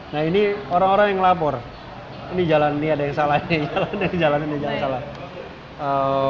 nah ini orang orang yang lapor ini jalan ini ada yang salah ini jalannya jalan ini jangan salah